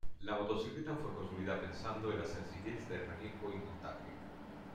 La motocicleta fue construida pensando en la sencillez de manejo y montaje.